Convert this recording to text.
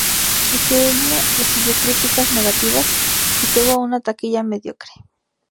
El filme recibió críticas negativas y tuvo una taquilla mediocre.